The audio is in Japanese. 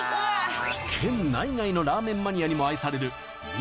県内外のラーメンマニアにも愛される味